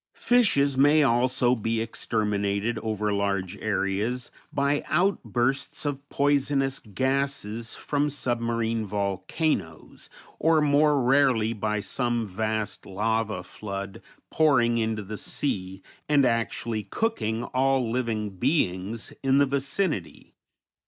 Fishes may also be exterminated over large areas by outbursts of poisonous gases from submarine volcanoes, or more rarely by some vast lava flood pouring into the sea and actually cooking all living beings in the vicinity.